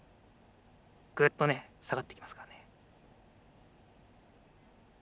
グッとねさがっていきますからね。